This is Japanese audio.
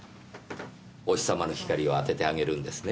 お日様の光を当ててあげるんですね？